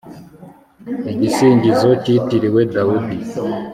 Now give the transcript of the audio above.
igisingizo, cyitiriwe dawudi